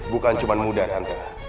bukan cuma muda tante